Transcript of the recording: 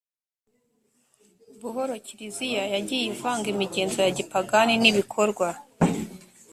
buhoro kiliziya yagiye ivanga imigenzo ya gipagani n ibikorwa